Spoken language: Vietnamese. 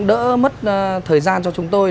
đỡ mất thời gian cho chúng tôi